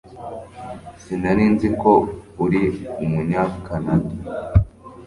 Sinari nzi ko uri Umunyakanada